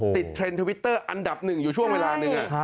เทรนด์ทวิตเตอร์อันดับหนึ่งอยู่ช่วงเวลาหนึ่ง